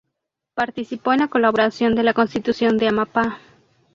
Participó en la colaboración de la Constitución de Amapá.